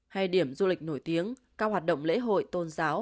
hay điểm du lịch nổi tiếng các hoạt động lễ hội tôn giáo